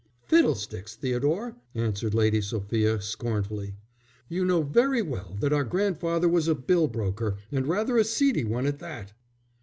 "Fiddlesticks, Theodore!" answered Lady Sophia, scornfully. "You know very well that our grandfather was a bill broker, and rather a seedy one at that."